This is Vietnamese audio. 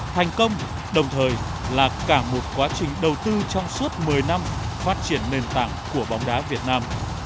thành công đồng thời là cả một quá trình đầu tư trong suốt một mươi năm phát triển nền tảng của bóng đá việt nam